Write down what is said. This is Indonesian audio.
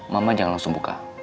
mama jangan langsung buka